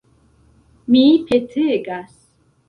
Mi petegas!